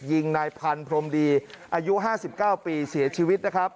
ยิงนายพันธุ์พรมดีอายุ๕๙ปีเสียชีวิต